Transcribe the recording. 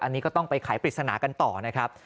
อันนี้ก็ต้องไปขายปริศนากันต่อนะครับ